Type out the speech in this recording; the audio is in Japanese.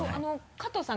加藤さん